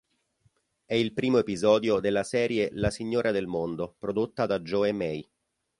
È il primo episodio della serie "La signora del mondo", prodotta da Joe May.